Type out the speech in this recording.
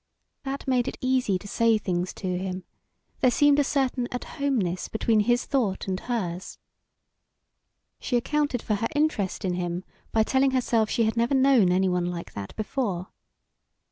That made it easy to say things to him; there seemed a certain at homeness between his thought and hers. She accounted for her interest in him by telling herself she had never known any one like that before.